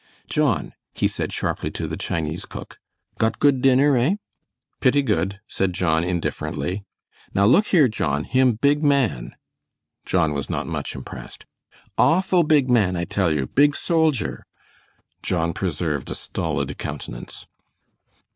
"John," he said, sharply, to the Chinese cook, "got good dinner, eh?" "Pitty good," said John, indifferently. "Now, look here, John, him big man." John was not much impressed. "Awful big man, I tell you, big soldier." John preserved a stolid countenance.